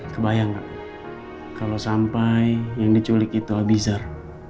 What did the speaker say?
kebayang gak kalau sampai yang diculik itu abisar